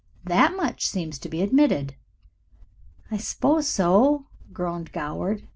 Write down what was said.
"That much seems to be admitted." "I suppose so," groaned Goward.